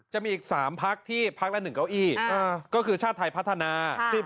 จะมีอีก๓พักที่พักละ๑เก้าอี้ก็คือชาติไทยพัฒนา